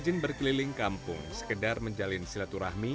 andre rajin berkeliling kampung sekedar menjalin silaturrahmi